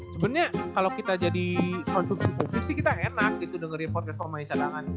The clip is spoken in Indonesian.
sebenarnya kalau kita jadi konsumsi pokrip sih kita enak gitu dengerin podcast pemain cadangan